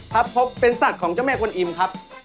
ครับเพราะเป็นสัตว์ของเจ้าแม่คนอิ่มครับ